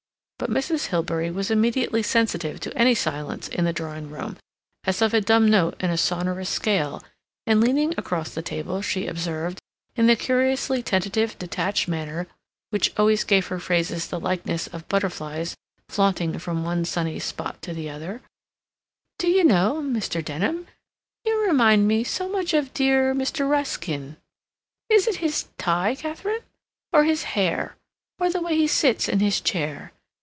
But Mrs. Hilbery was immediately sensitive to any silence in the drawing room, as of a dumb note in a sonorous scale, and leaning across the table she observed, in the curiously tentative detached manner which always gave her phrases the likeness of butterflies flaunting from one sunny spot to another, "D'you know, Mr. Denham, you remind me so much of dear Mr. Ruskin.... Is it his tie, Katharine, or his hair, or the way he sits in his chair?